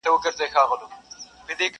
زه به ولي نن د دار سر ته ختلاى!!